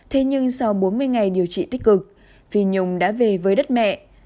thế nhưng sau bốn mươi ngày điều trị tích cực phi nhung đã về với đất mẹ